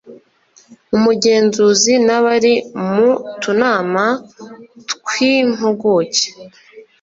umugenzuzi n'abari mu tunama tw'impuguke